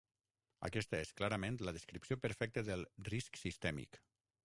Aquesta és, clarament, la descripció perfecta del "risc sistèmic".